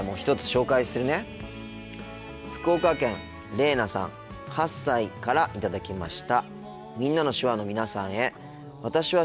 福岡県れいなさん８歳から頂きました。